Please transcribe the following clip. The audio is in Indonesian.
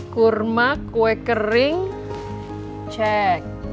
kurma kue kering cek